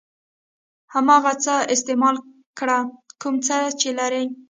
هماغه څه استعمال کړه کوم څه چې لرئ.